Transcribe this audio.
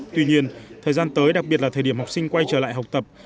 tuy nhiên thời gian tới đặc biệt là thời điểm học sinh quay trở lại học tập